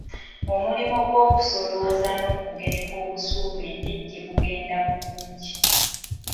Omulimu gw’okusolooza n’okugereka busuulu e Ndejje gugenda bulungi.